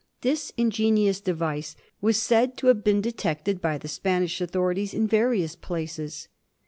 This ingenious device was said to have been detected by the Spanish authorities in various places.